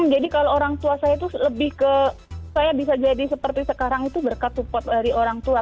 jadi kalau orang tua saya itu lebih ke saya bisa jadi seperti sekarang itu berkat support dari orang tua